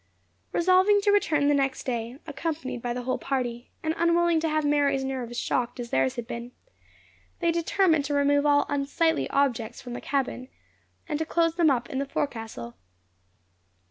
Resolving to return the next day, accompanied by the whole party, and unwilling to have Mary's nerves shocked as theirs had been, they determined to remove all unsightly objects from the cabin, and to close them up in the forecastle.